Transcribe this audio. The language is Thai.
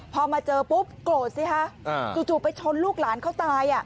พอมาเจอปุ๊บโกรธสิฮะจู่ไปชนลูกหลานเขาตาย